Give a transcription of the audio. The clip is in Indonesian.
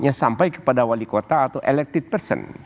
hanya sampai kepada wali kota atau elected person